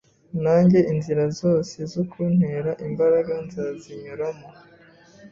yanjye inzira zose zo kuntera imbaraga nzazinyuramo